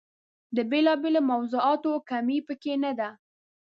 د بېلا بېلو موضوعاتو کمۍ په کې نه ده.